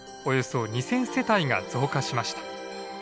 およそ２，０００世帯が増加しました。